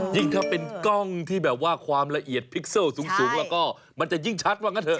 ยิ่งถ้าเป็นกล้องที่แบบว่าความละเอียดพิกเซอร์สูงแล้วก็มันจะยิ่งชัดว่างั้นเถ